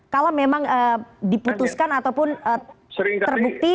kalau memang diputuskan ataupun terbukti melanggar kode etik